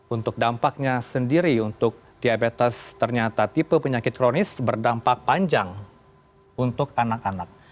untuk dampaknya sendiri untuk diabetes ternyata tipe penyakit kronis berdampak panjang untuk anak anak